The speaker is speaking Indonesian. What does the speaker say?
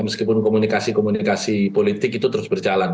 meskipun komunikasi komunikasi politik itu terus berjalan